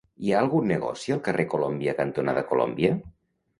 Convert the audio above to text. Hi ha algun negoci al carrer Colòmbia cantonada Colòmbia?